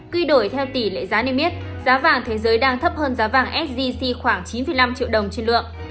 quy đổi theo tỷ lệ giá niêm yết giá vàng thế giới đang thấp hơn giá vàng sgc khoảng chín năm triệu đồng trên lượng